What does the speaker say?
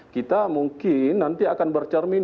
kita mungkin nanti akan bercermin